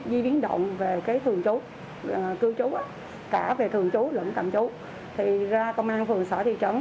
di biến động về cái thường trú cư trú cả về thường trú lẫn tạm trú thì ra công an phường xã thị trấn